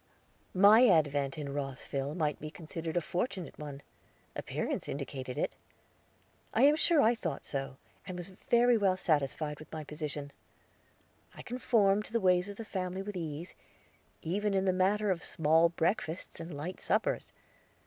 My advent in Rosville might be considered a fortunate one; appearances indicated it; I am sure I thought so, and was very well satisfied with my position. I conformed to the ways of the family with ease, even in the matter of small breakfasts and light suppers.